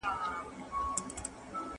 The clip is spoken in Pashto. دهقان څه چي لا په خپل کلي کي خان وو